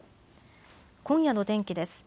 今夜の天気です。